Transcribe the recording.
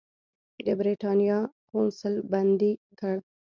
د برېټانیا قونسل بندي کړ.